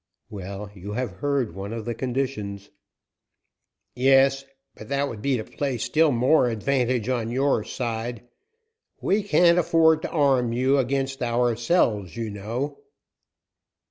"Well, you have heard one of the conditions." "Yes, but that would be to place still more advantage on your side. We can't afford to arm you against ourselves, you know."